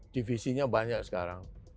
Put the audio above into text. divisinya banyak sekarang